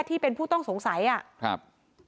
ที่เป็นผู้ต้องสงสัยอ่ะครับ